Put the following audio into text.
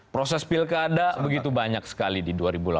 proses pilkada begitu banyak sekali di dua ribu delapan belas